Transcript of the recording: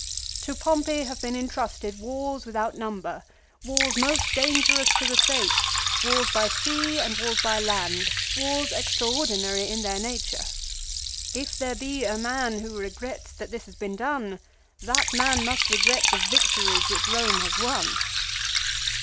"To Pompey have been intrusted wars without number, wars most dangerous to the State, wars by sea and wars by land, wars extraordinary in their nature. If there be a man who regrets that this has been done, that man must regret the victories which Rome has won."